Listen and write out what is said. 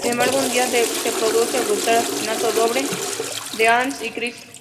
Sin embargo, un día se produce el brutal asesinato doble de Ann y Criss.